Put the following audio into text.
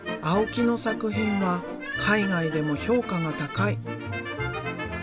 青木の作品は海外でも評価が高い。